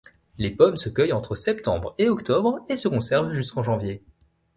Les pommes se cueillent entre septembre et octobre et se conservent jusqu'en janvier.